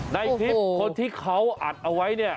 ในคลิปคนที่เขาอัดเอาไว้เนี่ย